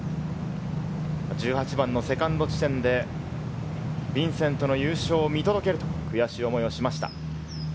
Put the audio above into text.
１８番のセカンド地点でビンセントの優勝を見届けるという悔しい思いをしました。